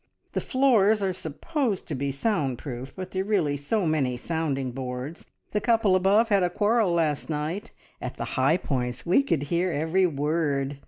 The floors are supposed to be sound proof, but really they're so many sounding boards. The couple above had a quarrel last night at the high points we could hear every word.